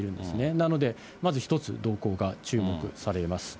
なので、まず１つ、動向が注目されます。